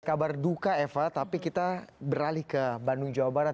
kabar duka eva tapi kita beralih ke bandung jawa barat